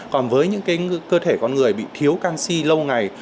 còn với những cơ thể con người bị thiếu canxi lâu ngày